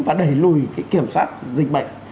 và đẩy lùi kiểm soát dịch bệnh